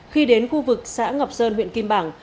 khi đến khu vực xã ngọc sơn huyện kim bảng